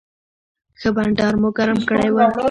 ښه بنډار مو ګرم کړی و.